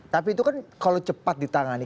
tapi itu kan kalau cepat ditangani